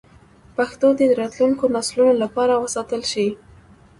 پښتو دې د راتلونکو نسلونو لپاره وساتل شي.